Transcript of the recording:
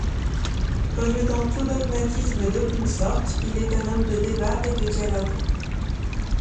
Rejetant tout dogmatisme d'aucune sorte, Il est un homme de débat et de dialogue.